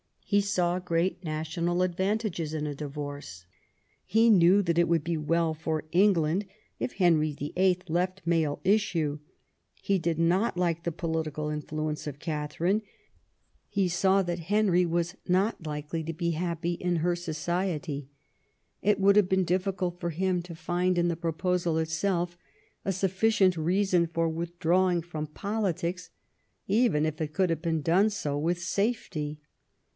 He saw great national advantages in a divorce; he knew that it would be well for England if Henry VIII. left male issue ; he did not like the political influence of Katharine ; he saw that Henry was not likely to be happy in her society. It would have been difficult for him to find in the proposal itself a sufficient reason for withdrawing from politics even if he could have done so with safety.